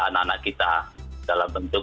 anak anak kita dalam bentuk